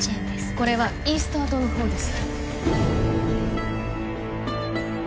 これはイースター島のほうです